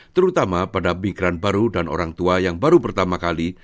terutama pada migran baru dan orang tua yang baru pertama kali